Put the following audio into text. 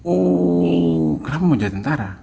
uuuuh kenapa mau jadi tentara